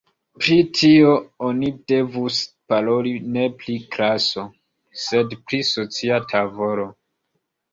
Pri tio oni devus paroli ne pri klaso, sed pri socia tavolo.